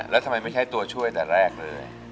แล้วทำไมไม่ใช้ตัวช่วยแต่แรกเลย